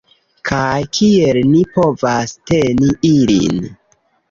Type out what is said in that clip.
Kaj kiel ni povas teni ilin?